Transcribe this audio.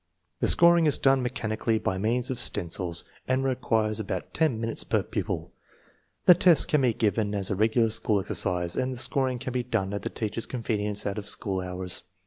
The scoring is done mechanically by means of stencils, and requires about ten minutes per pupil. The tests can be given as a regular school exercise, and the scoring can be done at the teacher's convenience out of school hours.